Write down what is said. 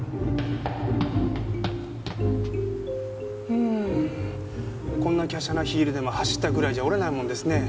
うんこんな華奢なヒールでも走ったくらいじゃ折れないもんですね。